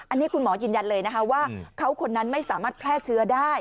อันนี้คุณหมอยืนยันเลยนะคะว่าเขาคนนั้นไม่สามารถแพร่เชื้อได้